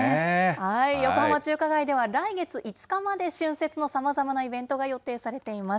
横浜中華街では来月５日まで、春節のさまざまなイベントが予定されています。